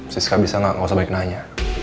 sis gak bisa gak gak usah balik nanya